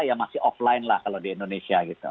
ya masih offline lah kalau di indonesia gitu